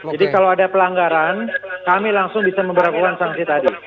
jadi kalau ada pelanggaran kami langsung bisa memperlakukan sanksi tadi